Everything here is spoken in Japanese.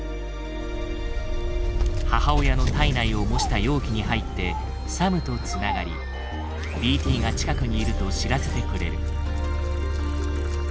母親の胎内を模した容器に入ってサムと繋がりＢＴが近くにいると知らせてくれる。